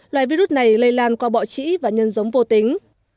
loài virus này lây lan qua bọ trĩ và nhân giống vô tính